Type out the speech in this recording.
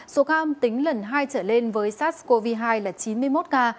số ca âm tính lần hai trở lên với sars cov hai là chín mươi một ca